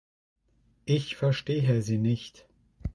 Ich verstehe sie nicht.